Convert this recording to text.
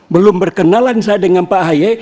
belum berkenalan saya dengan pak ahy